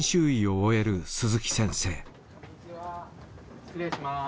失礼します。